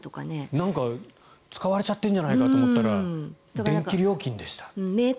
なんか使われちゃってるんじゃないかと思ったら電気料金でした。